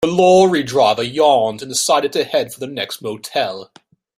The lorry driver yawned and decided to head for the next motel.